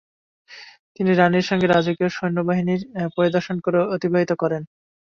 তিনি রানীর সঙ্গে রাজকীয় সৈন্যবাহিনী পরিদর্শন করে অতিবাহিত করেন।